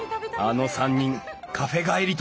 あの３人カフェ帰りとみた！